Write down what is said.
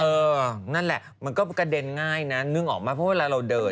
อเจมส์นั่นล่ะมันก็กระเด็นง่ายนะนึกออกมาเพราะว่าเราเดิน